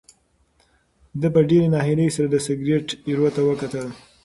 ده په ډېرې ناهیلۍ سره د سګرټ ایرو ته وکتل.